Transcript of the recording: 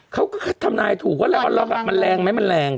เขาก็ทำนายถูกว่าแรงออนล็อกมันแรงไหมมันแรง